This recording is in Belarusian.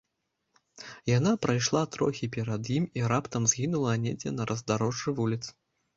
Яна прайшла трохі перад ім і раптам згінула недзе на раздарожжы вуліц.